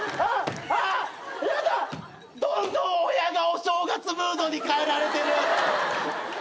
どんどんお部屋がお正月ムードに変えられてる！